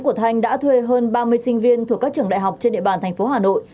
huyền đã liên hệ với sinh viên thuộc các trường đại học trên địa bàn thành phố hà nội